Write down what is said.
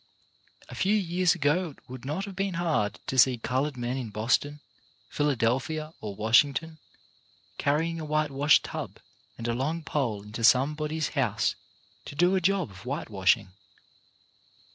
A few years ago it would not have been hard to see UNIMPROVED OPPORTUNITIES 125 coloured men in Boston, Philadelphia or Wash ington carrying a whitewash tub and a long pole into somebody's house to do a job of whitewash ing.